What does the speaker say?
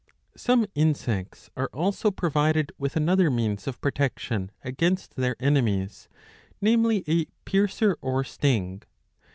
^ Some insects are also provided with another means of protection against their enemies, namely a piercer or sting.